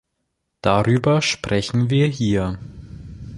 Darüber sprechen wir hier.